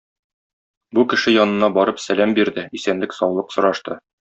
Бу кеше янына барып сәлам бирде, исәнлек-саулык сорашты.